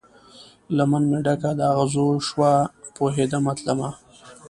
لمن مې ډکه د اغزو شوه، پوهیدمه تلمه